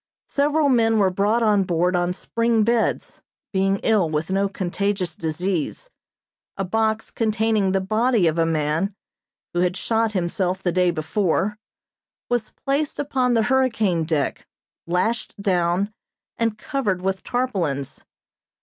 Several men were brought on board on spring beds, being ill with no contagious disease. A box containing the body of a man, who had shot himself the day before, was placed upon the hurricane deck, lashed down, and covered with tarpaulins.